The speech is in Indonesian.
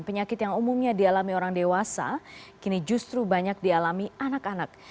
penyakit yang umumnya dialami orang dewasa kini justru banyak dialami anak anak